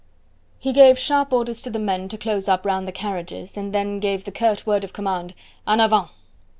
He gave sharp orders to the men to close up round the carriages, and then gave the curt word of command: "En avant!"